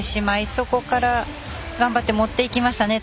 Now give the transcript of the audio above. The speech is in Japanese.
そこから頑張って持っていきましたね